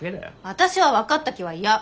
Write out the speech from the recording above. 私は分かった気は嫌！